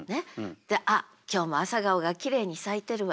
「あっ今日も朝顔がきれいに咲いてるわ。